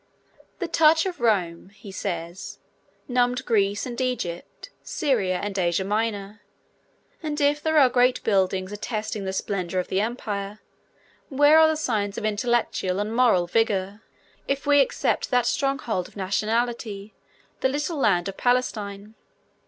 'The touch of Rome,' he says, 'numbed Greece and Egypt, Syria and Asia Minor, and if there are great buildings attesting the splendour of the Empire, where are the signs of intellectual and moral vigour, if we except that stronghold of nationality, the little land of Palestine?'